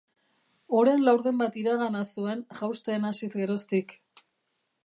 Oren laurden bat iragana zuen jausten hasiz geroztik.